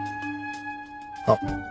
あっ！